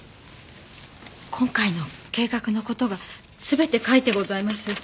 今回の計画の事が全て書いてございます。